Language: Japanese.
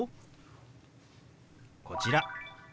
こちら。